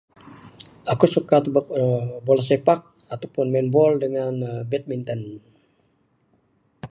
Akuk suka tubuk uhh bola sepak atau pun main ball uhh dengan badminton.